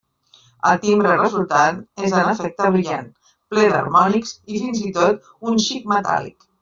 El timbre resultant és en efecte brillant, ple d'harmònics i fins i tot un xic metàl·lic.